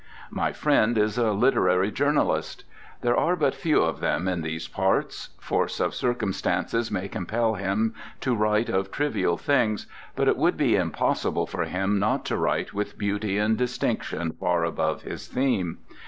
My friend is a literary journalist. There are but few of them in these parts. Force of circumstances may compel him to write of trivial things, but it would be impossible for him not to write with beauty and distinction far above his theme.